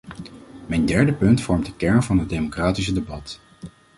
Mijn derde punt vormt de kern van het democratische debat.